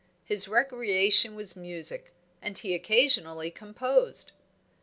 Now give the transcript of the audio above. His recreation was music, and he occasionally composed.